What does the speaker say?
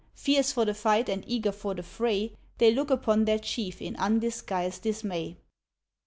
Fierce for the fight and eager for the fray They look upon their Chief in undisguised dismay.